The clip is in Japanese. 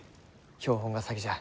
標本が先じゃ。